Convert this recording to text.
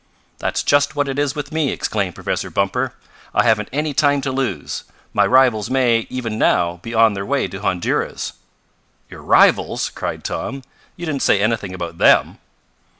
"That's just what it is with me!" exclaimed Professor Bumper. "I haven't any time to lose. My rivals may, even now, be on their way to Honduras!" "Your rivals!" cried Tom. "You didn't say anything about them!"